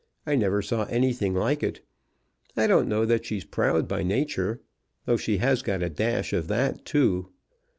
I never saw anything like it. I don't know that she's proud by nature, though she has got a dash of that too.